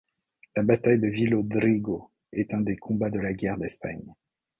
La bataille de Villodrigo est un des combats de la Guerre d'Espagne.